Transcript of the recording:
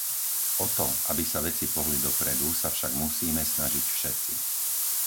O to, aby sa veci pohli dopredu, sa však musíme snažiť všetci.